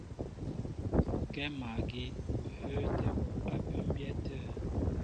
Kɛ́ magí ó hə́ə́tɛ́ wɔ á bʉmbyɛ́ tə̂.